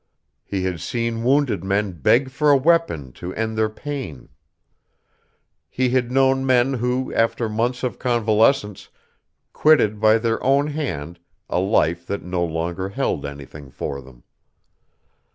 He had seen wounded men beg for a weapon to end their pain. He had known men who, after months of convalescence, quitted by their own hand a life that no longer held anything for them.